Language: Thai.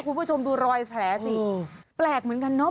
คุณผู้ชมดูรอยแผลสิแปลกเหมือนกันเนอะ